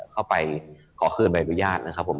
เข้าไปขอขึ้นบรรยายนะครับผม